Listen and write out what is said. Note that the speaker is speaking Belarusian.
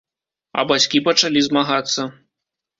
А бацькі пачалі змагацца.